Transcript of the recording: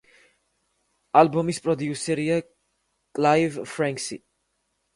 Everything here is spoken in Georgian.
ალბომის პროდიუსერია კლაივ ფრენკსი.